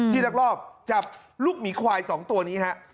ที่ดักรอบจับลูกหมีควาย๒ตัวนี้